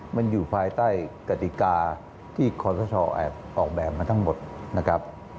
มันอยู่ภายใต้กติกาที่ขอสชแอบออกแบบมาทั้งหมดนะครับ